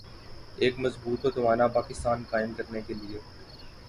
ایک مضبوط و توانا پاکستان قائم کرنے کے لئیے ۔